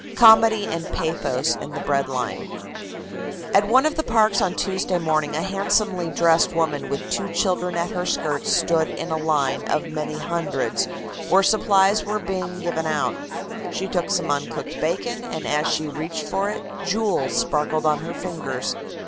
COMEDY AND PATHOS IN THE BREAD LINE. At one of the parks on Tuesday morning a handsomely dressed woman with two children at her skirts stood in a line of many hundreds where supplies were being given out. She took some uncooked bacon, and as she reached for it jewels sparkled on her fingers.